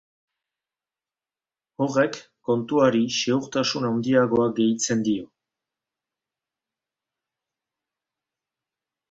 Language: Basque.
Horrek kontuari segurtasun handiagoa gehitzen dio.